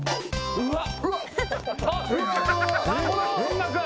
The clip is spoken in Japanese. うわっ。